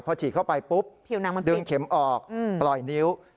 พอฉีดเข้าไปปุ๊บดึงเข็มออกปล่อยนิ้ว